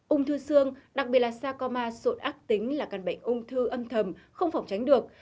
ung thư xương đặc biệt là sarcoma sụn ác tính là căn bệnh ung thư âm thầm không phỏng tránh được